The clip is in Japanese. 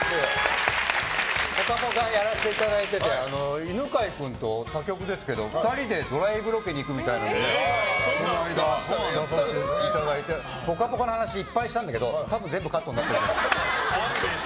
「ぽかぽか」やらせていただいてて犬飼君と他局ですけど２人でドライブロケに行くみたいなので出させていただいて「ぽかぽか」の話いっぱいしたんだけど多分全部カットになってると思います。